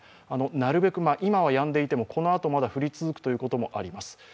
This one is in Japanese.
なるべく今はやんでいてもこのあと降り続くこともあります。